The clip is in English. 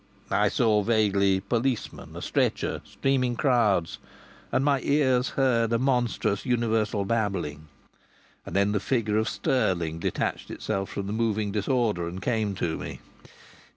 I saw vaguely policemen, a stretcher, streaming crowds, and my ears heard a monstrous universal babbling. And then the figure of Stirling detached itself from the moving disorder and came to me.